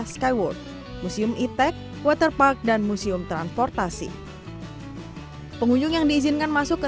skyword museum itec waterpark dan museum transportasi pengunjung yang diizinkan masuk ke